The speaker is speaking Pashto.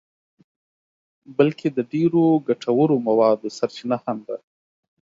بلکه د ډېرو ګټورو موادو سرچینه هم ده.